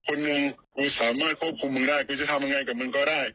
คนหนึ่งกูสามารถควบคุมมึงได้กูจะทำยังไงกับมึงก็ได้